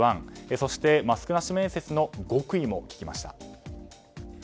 そして、マスクなし面接の極意も聞きました。